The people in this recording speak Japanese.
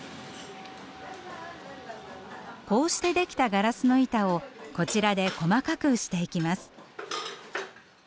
こうして出来たガラスの板をこちらで細かくしていきます。